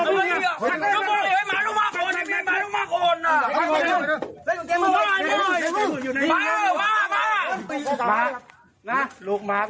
ได้ยินเป็นเวรยุถสั้นน้ำหละครับ